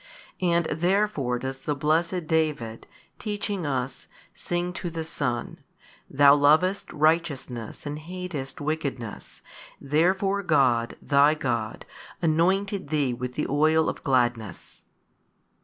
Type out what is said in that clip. And therefore does the blessed David teaching us sing to the Son, Thou lovedst righteousness and hatedst wickedness, therefore God, Thy God anointed Thee with the oil of gladness.